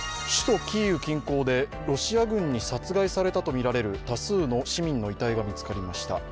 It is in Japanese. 首都キーウ近郊でロシア軍に殺害されたとみられる多数の市民の遺体が見つかりました。